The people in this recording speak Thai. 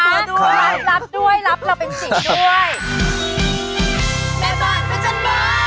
มาเช็คนะรับรับเราเป็นสิ่งด้วย